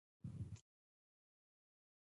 د هغه په بانکونو کې په میلیونونو پیسې پرتې دي